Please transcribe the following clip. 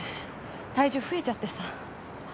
体重増えちゃってさ。